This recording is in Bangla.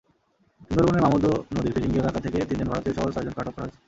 সুন্দরবনের মামুদো নদীর ফিরিঙ্গি এলাকা থেকে তিনজন ভারতীয়সহ ছয়জনকে আটক করা হয়েছে।